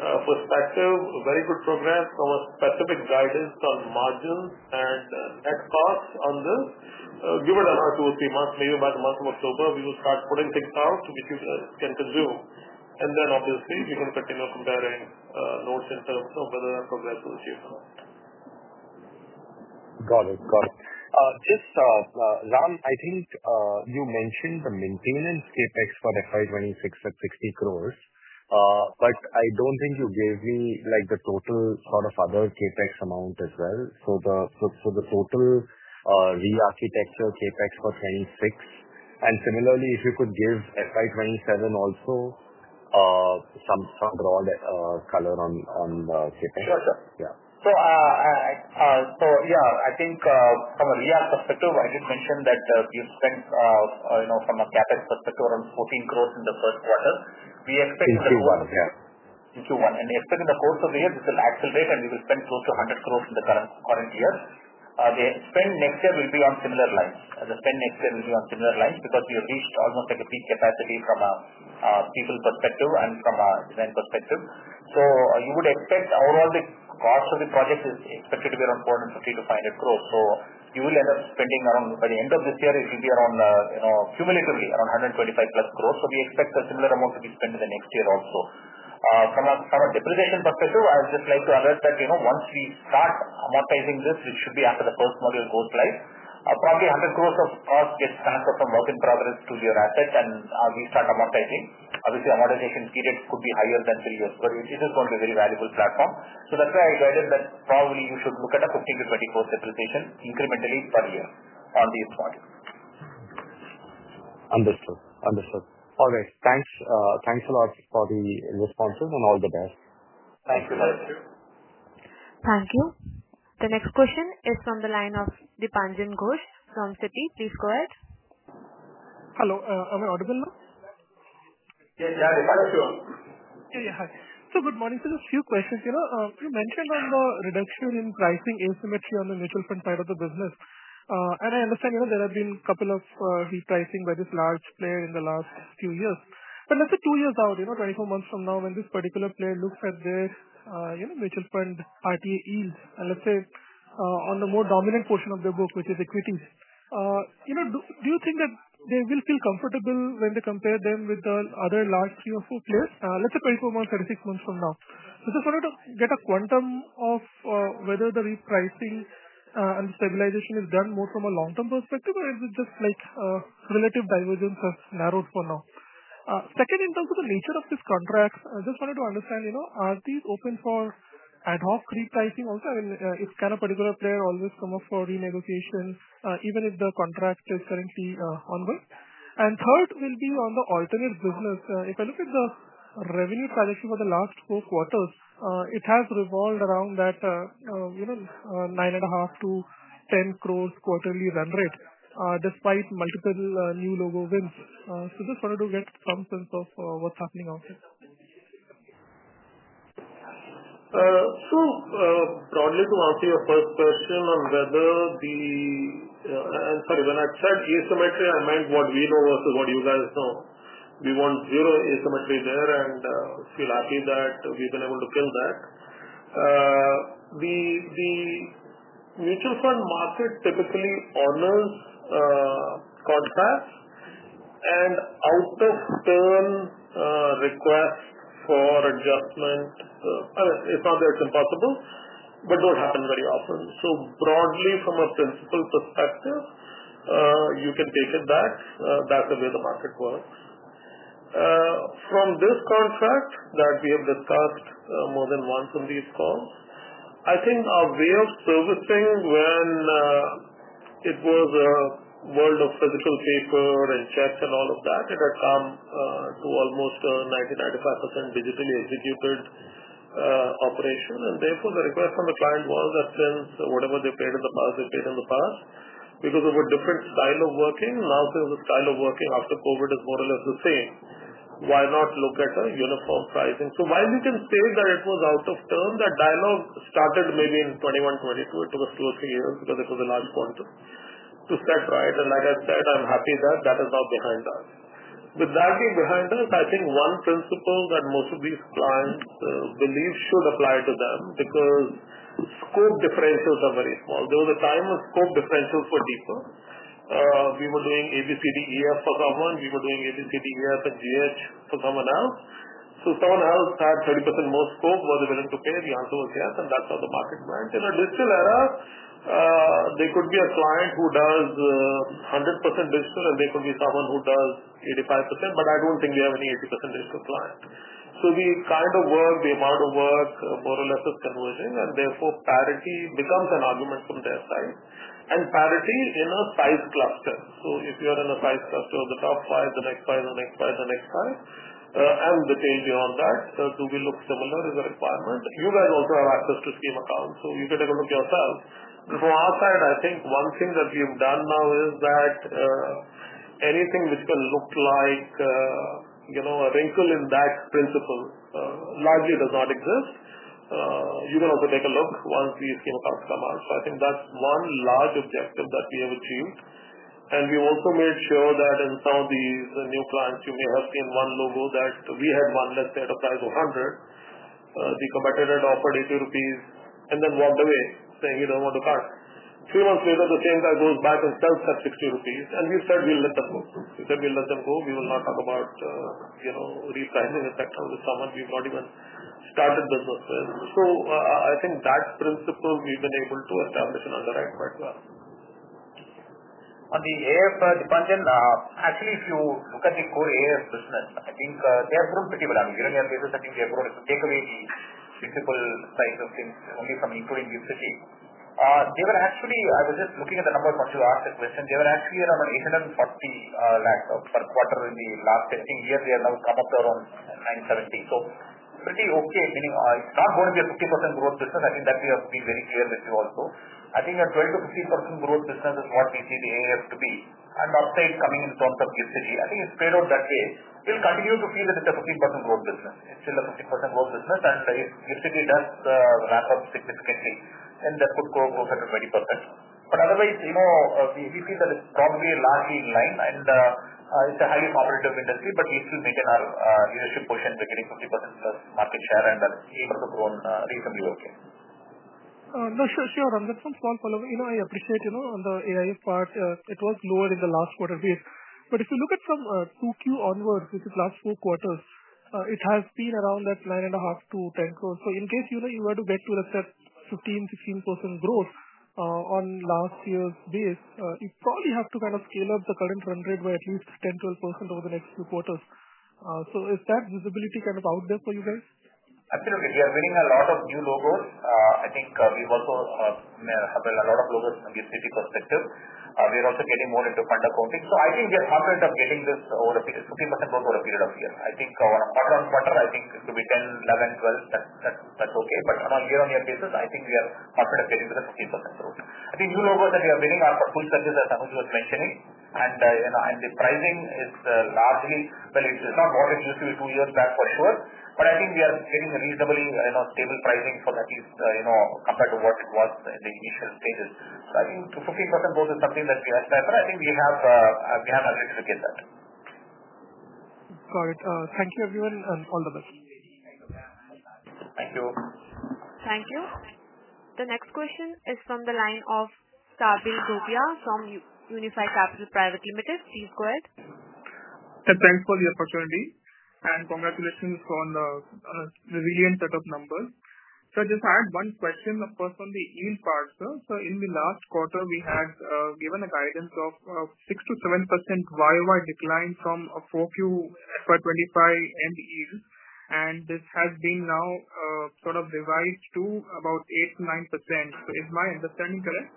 very good progress. From a specific guidance on margins and net costs on this, given two or three months, maybe by the month of October we will start putting things out which you can consume, and then obviously we can continue comparing notes in terms of whether progress will achieve or not. Got it, got it. Ram, I think you mentioned the maintenance CapEx for FY 2026 at 60 crore, but I don't think you gave me the total sort of other CapEx amount as well. The total re-architecture CapEx for 2026, and similarly if you could give FY 2027 also, some broad color on CapEx. Sure. I think from a real perspective I did mention that you spent from a CapEx perspective around 14 crore in the first quarter. We expect in Q1, in Q1 and we expect in the course of the year this will accelerate and we will spend close to 100 crore in the current year. The spend next year will be on similar lines. The spend next year will be on similar lines because we have reached almost at the peak capacity from a people perspective and from a design perspective. You would expect overall the cost of the project is expected to be around 450 crore-500 crore. You will end up spending by the end of this year it will be cumulatively around 125+ crore. We expect a similar amount to be spent in the next year also from a depreciation perspective. I would just like to alert that once we start amortizing this, it should be after the first module goes live, probably 100 crore of work gets transferred from work in progress to your asset and we start amortizing. Obviously, amortization period could be higher than three years, but it is going to be a valuable platform. That's why I decided that probably you should look at a 15 crore-20 crore application incrementally per year on these modules. Understood. Understood. All right, thanks. Thanks a lot for the responses and all the best. Thank you. Thank you. The next question is from the line of Dipanjan Ghosh from Citi. Please go ahead. Hello, am I audible now? Good morning, sir. Just a few questions. You mentioned the reduction in pricing asymmetry on the mutual fund side of the business, and I understand there have been a couple of repricing by this large player in the last few years. Let's say two years out, 24 months from now, when this particular player looks at their mutual fund RTA yield, and on the more dominant portion of their book, which is equities, do you think that they will feel comfortable when they compare them with the other large three or four players, let's say 24 months or 36 months from now? I just wanted to get a quantum of whether the repricing and stabilization is done more from a long-term perspective, or is it just like relative divergence has narrowed for now? Second, in terms of the nature of these contracts, I just wanted to understand, are these open for ad hoc repricing? Also, can a particular player always come up for renegotiation even if the contract is currently ongoing? Third will be on the alternate business. If I look at the revenue trajectory for the last four quarters, it has revolved around that 9.5 crore-10 crore quarterly run rate despite multiple new logo wins. I just wanted to get some sense of what's happening out there. Broadly, to answer your first question on whether when I said asymmetry, I meant what we know vs what you guys know. We want zero asymmetry there and feel happy that we've been able to kill that. The mutual fund market typically honors contracts and out-of-turn requests for adjustment. It's not that it's impossible, but they don't happen very often. Broadly, from a principal perspective, you can take it back. That's the way the market works. From this contract that we have discussed more than once on these calls, I think our way of servicing, when it was a world of physical paper and checks and all of that, it had come to almost a 95% digitally executed operation. Therefore, the request from the client was that since whatever they paid in the past, they paid in the past because of a different style of working. Now, since the style of working after COVID is more or less the same, why not look at a uniform pricing? While we can say that it was out of turn, that dialogue started maybe in 2021-2022. It took us two or three years because it was a large quantum to set right. Like I said, I'm happy that is now behind us. With that being behind us, I think one principle that most of these clients believe should apply to them because scope differentials are very small. There was a time when scope differentials were deeper. We were doing ABCDEF for someone, we were doing ABCDEF and GH for someone else. So someone else had 30% more scope. Was it willing to pay? The answer was yes. That's how the market went. In a digital era, there could be a client who does 100% digital and there could be someone who does 85%. I don't think we have any 80% digital client. The kind of work, the amount of work more or less is converging and therefore parity becomes an argument from their side and parity in a size cluster. If you are in a size cluster of the top five, the next five, the next five, the next five and the tail beyond that, to be looked similar is a requirement. You guys also have access to scheme accounts, so you can take a look yourself. From our side, I think one thing that we have done now is that anything which can look like a wrinkle in that principle. Likely does not exist. You can also take a look once these schema accounts come out. I think that's one large objective that we have achieved. We also made sure that in some of these new clients, you may have seen one logo that we had, one let's say at a price of 100. The competitor offered 80 rupees and then walked away saying we don't want to cut. Three months later, the same guy goes back and sells at 60 rupees. We said we'll let them go. We will not talk about resizing a sector with someone we've not even started business with. I think that principle we've been able to establish and underwrite. On the AIF Dipanjan, actually if you look at the core AIF business, I think they have grown pretty well on a year-on-year basis. I think they have grown, take away the principal size of things, only from including GIFT City. They were actually, I was just looking at the numbers once you asked that question, they were actually around 840 lakh per quarter in the last testing year. They have now come up to around 970 lakh. So pretty okay, meaning it's not going to be a 50% growth this year. I think that we have to be very clear with you also. I think a 12%-15% growth business is what we see the AIF to be and upside coming. In terms of GIFT City, I think it's played out that way. We continue to feel that it's a 15% growth business. It's still a 15% growth business and GIFT City does ramp up significantly and that could go closer to 20%. Otherwise, we feel that it's probably largely in line and it's a highly competitive industry. We still maintain our leadership. We're getting 50%+ market share and yields have grown reasonably. Okay, sure. Ram Charan, I appreciate, on the AIF part it was lower in the last quarter, but if you look at from 2Q onwards, which is last four quarters, it has been around that 9.5 crore-10 crore. In case you were to get to let's say 15, 16% growth on last year's base, you probably have to kind of scale up the current run rate by at least 10, 12% over the next few quarters. Is that visibility kind of out there for you guys? Absolutely. We are winning a lot of new logos. I think we also have a lot of logos from the city perspective. We are also getting more into fund accounting. I think we are confident of getting this over 15% growth over a period of years. On a quarter-on-quarter, I think it could be 10%, 11%, 12%, that's okay. On a year-on-year basis, I think we are confident getting with a steeper growth. I think that we are winning are for full service as Anuj was mentioning, and the pricing is largely. It's not what it used to be two years back for sure. I think we are getting a pricing is reasonably stable at least compared to what it was in the initial stages. I think 15% growth is something that we have to effort. I think we have agreed to kill that. Got it. Thank you everyone and all the best. Thank you. Thank you. The next question is from the line of Sabil Dabhoya from Unifi Capital Private Limited. Please go ahead. Thanks for the opportunity and congratulations on resilient set of numbers. Sir, just add one question of course on the yield part, sir. In the last quarter we had given a guidance of 6%-7% year-over-year decline from Q4 FY 2025 in yield, and this has been now sort of revised to about 8%-9%. Is my understanding correct.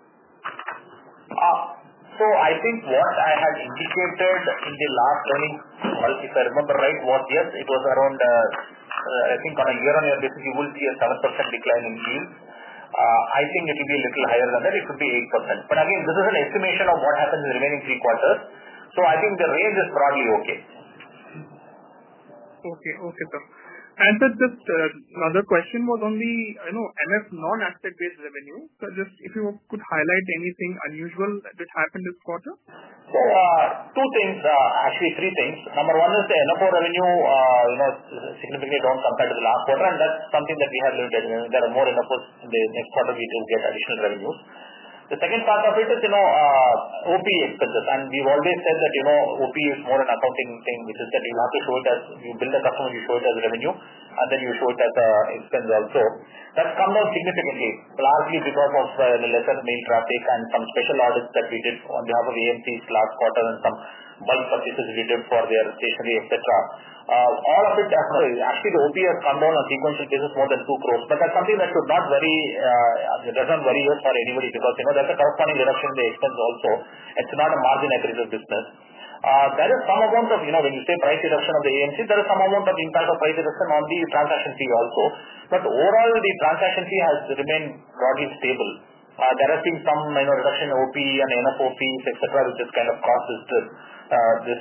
I think what I had indicated in the last earnings call, if I remember right, was yes, it was around. I think on a year-on-year basis you will see a 7% decline in yields. I think it will be a little higher than that. It could be 8% but again this is an estimation of what happens in the remaining three quarters. I think the raise is broadly okay. Okay, sir, and sir, just another question was on the non-MF non asset based revenue. If you could highlight anything unusual that happened this quarter? Two things, actually, three things. Number one is the NFO revenue significantly down compared to the last quarter and that's something that we have limited. There are more NFOs in the next quarter. We do get additional revenues. The second part of it is OpEx expenses, and we've always said that OpEx is more an accounting thing, which is that you have to show it as you bill a customer, you show it as revenue, and then you show it as an expense. Also, that's come down significantly, largely because of the lesser mail traffic and some special audits that we did on behalf of AMCs last quarter and some bulk purchases we did for their stationery, etc. All of it, actually, the OpEx has come down. A sequence of this is more than 2 crore. That's something that should not worry, does not worry you or anybody, because you know there's a tough money reduction in the expense. Also, it's not a margin accretive business. There is some amount of, you know. When you say price reduction of the AMC, there is some amount of impact of price reduction on the transaction fee also. Overall, the transaction fee has remained broadly stable. There has been some reduction in OpEx and NFO fees, etc., which has kind of caused this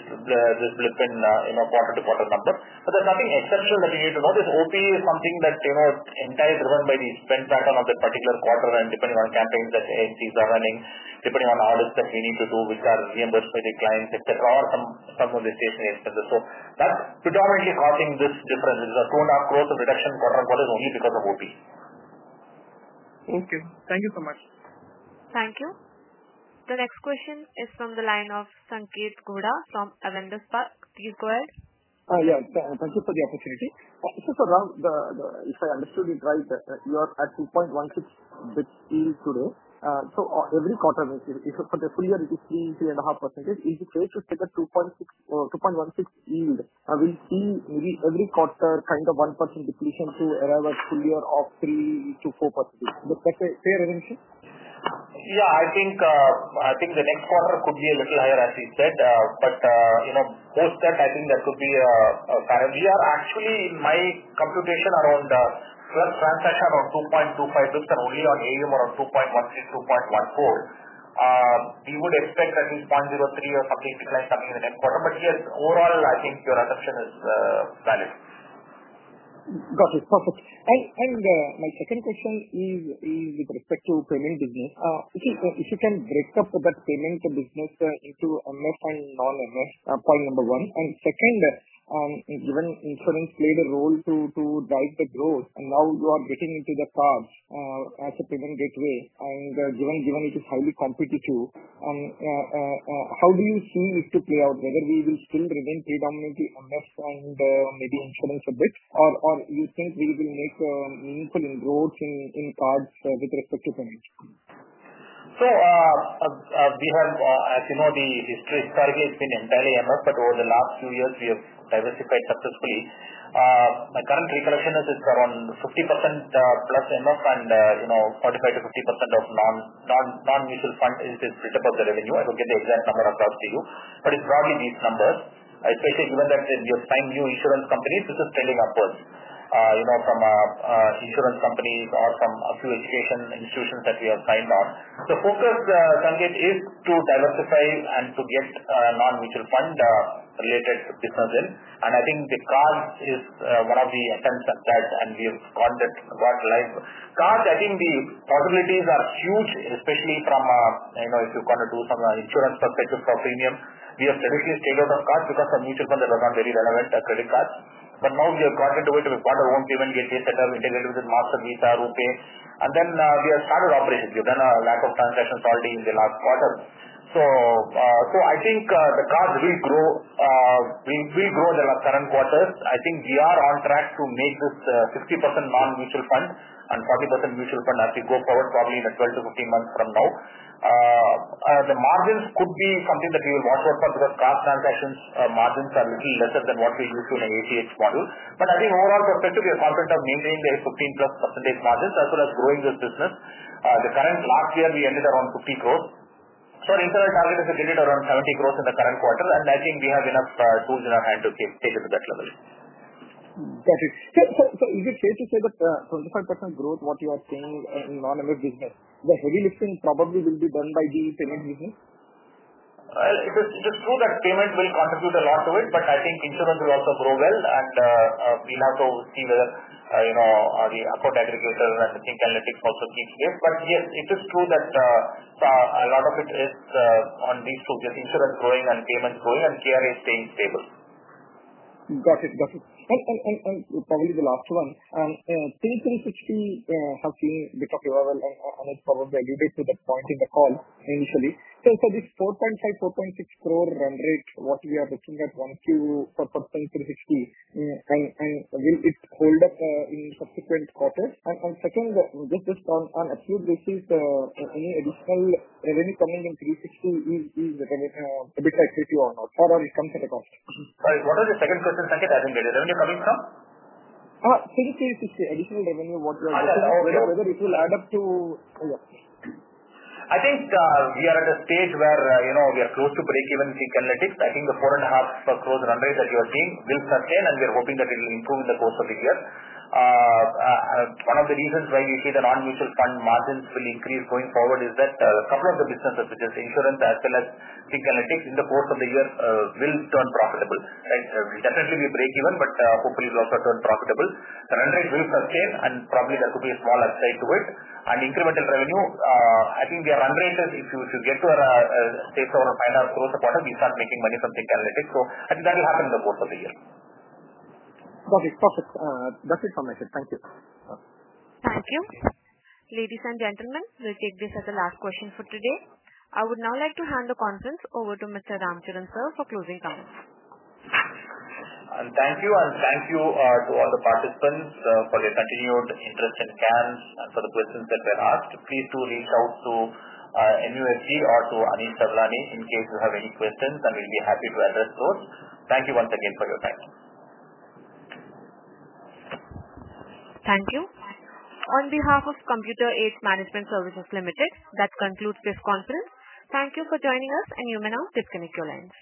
blip in policy quarter-to-quarter number. There's nothing exceptional that you need to know. This OpEx is something that is entirely driven by the spend pattern of that particular quarter, depending on campaigns that AMCs are running, depending on how risk that we need to do with our reimbursement declines, etc., or some of the stationery expenses. That's predominantly causing this difference. It is a 2.5 crore reduction only because of OpEx. Okay, thank you so much. Thank you. The next question is from the line of Sanketh Godha from Avendus Spark. Please go ahead. Thank you for the opportunity. Sir Ram, if I understood it right, you are at 2.16% yield today. Every quarter for the full year, it is 3%, 3.5% is the case to take a 2.16% yield, and we'll see maybe every quarter kind of 1% depletion to arrive at full year of 3%-4%. That's a fair assumption? Yeah, I think the next quarter could be a little higher as we said. Post that, I think that could be. We are actually, in my computation, around first transaction, around 2.25 bps, and only on AUM, around 2.13%, 2.14%. We would expect at least 0.03 or something decline coming in the next quarter. Yes, overall, I think your assumption is valid. Got it. Perfect. My second question is with respect to payment business. If you can break up that payment business into MF and non-MF, point number one. Second, even insurance played a role to drive the growth and now you are getting into the cards as a payment gateway. Given it is highly competitive, how do you see it to play out, whether we will still remain predominantly MF and maybe insurance a bit, or you think we will make meaningful inroads in cards with respect to payment. As you know, historically it's been entirely MF. Over the last few years, we have diversified successfully. My current recollection is it's around 50%+ MF, and 45%-50% of non-mutual fund is built up of the revenue. I will get the exact number across to you, but it's broadly these numbers, especially given that you sign new insurance companies. This is trending upwards from insurance companies or from a few education institutions that we have signed on. The focus, Sanketh, is to diversify and to get non-mutual fund related business in, and I think the card is one of the attempts at that. We have gone that live cards. I think the possibilities are huge, especially if you want to do from the insurance perspective for premium. We have directly stayed out of cards because of mutual fund. There are not very relevant credit cards. Now we have got into it. We have got our own payment gateway setup integrated with Master, Visa, RuPay, and then we have started operations. We have done a lakh of transactions already in the last quarter. I think the cards will grow in the current quarters. We are on track to make this 60% non-mutual fund and 40% mutual fund as we go forward, probably in a 12-15 months from now. The margins could be something that we will watch out for because card transactions margins are little lesser than what we used to in an ACH model. Overall perspective, we are confident of maintaining the 15%+ margins as well as growing this business. The current last year we ended around 50 crore, so our internal target has ended around 70 crore in the current quarter, and I think we have enough tools in our hand to take it to that level. Got it. Is it fair to say that what you are seeing in non-MF business, the heavy lifting probably will be done by the payment business? It is true that payments will contribute a lot to it, but I think insurance will also grow well, and we will have to see whether the account aggregator and Think Analytics also keep there. Yes, it is true that a lot of it is on these two, insurance growing and payments growing, and KRA is staying stable. Got it. Got it. Probably the last one, Think360 have seen a bit of evolution and it probably alluded to that point in the call initially. This 4.5 crore, 4.6 crore run rate, what we are looking at in Q1 for Think360, will it hold up in subsequent quarters? Second, just on an absolute basis, any additional revenue coming in 360 is EBITDA or not, for all it comes at a cost? What was the second question, Sanketh? I think is revenue coming from? Sir, just please additional revenue. What you are, whether it will add up to. I think we are at a stage where we are close to breakeven analytics. I think the 4.5 crore run rate that you are seeing will sustain, and we are hoping that it will improve in the course of the year. One of the reasons why we see the non-mutual fund margins will increase going forward is that a couple of the businesses, which is significant insurance as well as sync analytics, in the course of the year will turn profitable, will definitely be breakeven, but hopefully it will also turn profitable. The run rate will sustain, and probably there could be a small upside to it and incremental revenue. I think the run rate is if you get to take over INR 5 crore a quarter, we start making money from tech analytics. I think that will happen in the course of the year. Got it. Perfect. That's it for myself. Thank you. Thank you, ladies and gentlemen. We'll take this as the last question for today. I would now like to hand the conference over to Mr. Ram Charan for closing comments. Thank you. Thank you to all the participants for their continued interest in CAMS and for the questions that were asked. Please do reach out to MUFG or to Anish Sawlani in case you have any questions and we'll be happy to address those. Thank you once again for your time. Thank you. On behalf of Computer Age Management Services Limited, that concludes this conference. Thank you for joining us. You may now disconnect your lines.